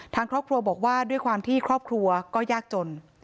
ทางครอบครัวบอกว่าด้วยความที่ครอบครัวก็ยากจน